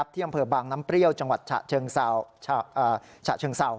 ที่อำเภอบางน้ำเปรี้ยวจังหวัดฉะเชิงเศร้า